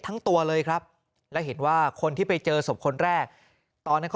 ทั้งตัวเลยครับและเห็นว่าคนที่ไปเจอศพคนแรกตอนนั้นก็